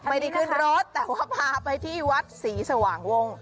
ไม่ได้ขึ้นรถแต่ว่าพาไปที่วัดศรีสว่างวง